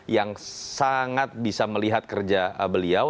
yang sangat bisa melihat kerja beliau